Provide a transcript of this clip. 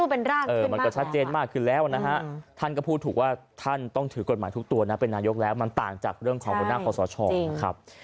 หลังจากเรื่องของคุณหน้าของสอชองนะครับ